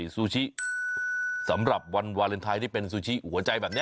ซูชิสำหรับวันวาเลนไทยที่เป็นซูชิหัวใจแบบนี้